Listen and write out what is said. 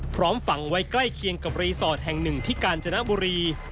พร้อมฝังไว้ใกล้เคียงกับรีสอร์ทแห่งหนึ่งที่กาญจนบุรี